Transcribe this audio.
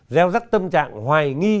rêu rắc tâm trạng hoài nghi